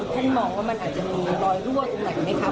ท่านมองว่ามันอาจจะมีรอยรั่วตรงไหนไหมคะ